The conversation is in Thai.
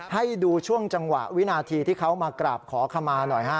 ให้ดูช่วงจังหวะวินาทีที่เขามากราบขอขมาหน่อยฮะ